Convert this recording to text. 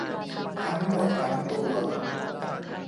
ทั้งหมดทั้งตัว